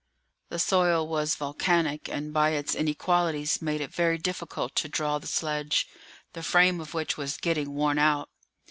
The soil was volcanic, and by its inequalities made it very difficult to draw the sledge, the frame of which was getting worn out.